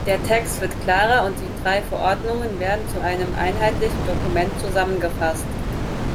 Der Text wird klarer und die drei Verordnungen werden zu einem einheitlichen Dokument zusammengefasst.